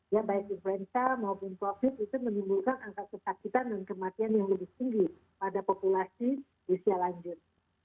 ya baik influenza maupun covid itu menimbulkan angka kesakitan dan kematian yang lebih tinggi pada populasi usia lanjut